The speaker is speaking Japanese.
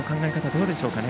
どうでしょうかね。